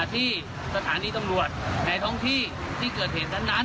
ที่สถานีตำรวจในท้องที่ที่เกิดเหตุนั้น